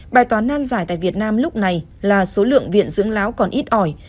bài toán nan giải tại việt nam lúc này là số lượng viện dưỡng lão còn ít ỏi